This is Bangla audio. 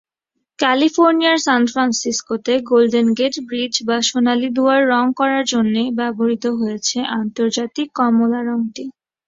ক্যালিফোর্নিয়ার সান ফ্রান্সিসকোতে গোল্ডেন গেট ব্রিজ বা সোনালি দুয়ার রঙ করার জন্য ব্যবহৃত হয়েছে আন্তর্জাতিক কমলা রঙটি।